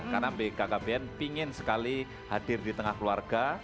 karena bkkbn pingin sekali hadir di tengah keluarga